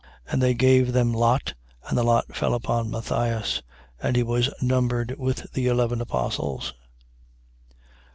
1:26. And they gave them lot, and the lot fell upon Matthias, and he was numbered with the eleven apostles.